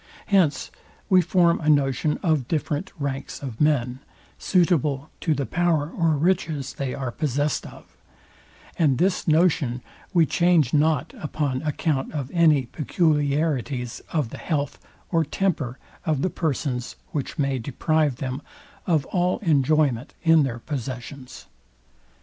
Hence we form a notion of different ranks of men, suitable to the power of riches they are possest of; and this notion we change not upon account of any peculiarities of the health or temper of the persons, which may deprive them of all enjoyment in their possessions.